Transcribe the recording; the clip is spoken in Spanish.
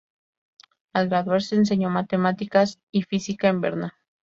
Al graduarse enseñó matemáticas y física en Berna.